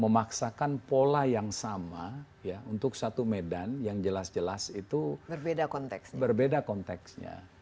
memaksakan pola yang sama untuk satu medan yang jelas jelas itu berbeda konteksnya